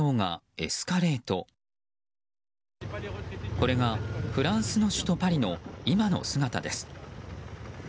これがフランスの首都パリの今の姿です。